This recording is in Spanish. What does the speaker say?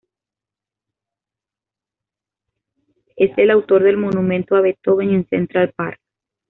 Es el autor del monumento a Beethoven en Central Park.